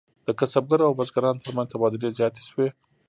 د کسبګرو او بزګرانو ترمنځ تبادلې زیاتې شوې.